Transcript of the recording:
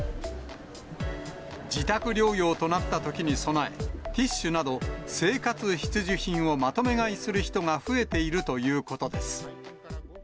自宅療養となったときに備え、ティッシュなど、生活必需品をまとめ買いする人が増えているということです。